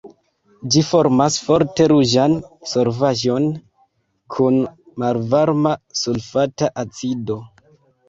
Ĝi formas forte ruĝan solvaĵon kun malvarma sulfata acido.